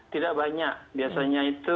tidak banyak biasanya itu